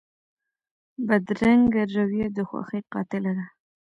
بدرنګه رویه د خوښۍ قاتله ده